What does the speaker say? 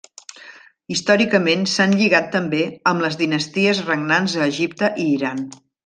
Històricament s'han lligat també amb les dinasties regnants a Egipte i Iran.